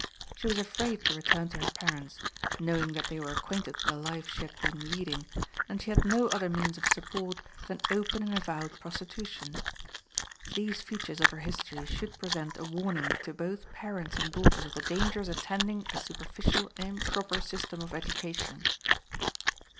She was afraid to return to her parents, knowing that they were acquainted with the life she had been leading, and she had no other means of support than open and avowed prostitution. These features of her history should present a warning to both parents and daughters of the dangers attending a superficial and improper system of education.